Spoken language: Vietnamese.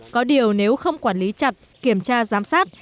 có điều nếu không quản lý chặt kiểm tra giám sát